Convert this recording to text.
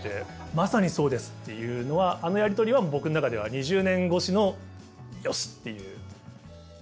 「まさにそうです」っていうのはあのやり取りは僕の中では２０年越しの「よしっ」ていう。